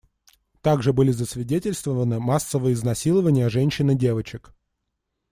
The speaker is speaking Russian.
Также были засвидетельствованы массовые изнасилования женщин и девочек.